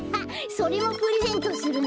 それもプレゼントするの？